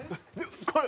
これ。